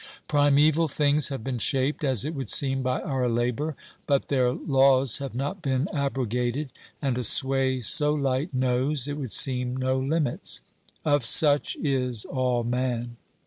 Primeval 350 OBERMANN things have been shaped, as it would seem, by our labour, but their laws have not been abrogated, and a sway so light knows, it would seem, no limits. Of such is all man.